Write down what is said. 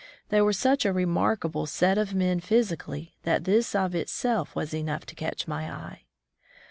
They were such a remark able set of men physically that this of itself was enough to catch my eye.